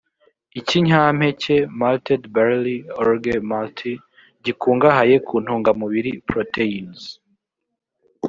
ikinyampeke “Malted barley/orge maltée” gikungahaye ku ntungamubiri (proteins)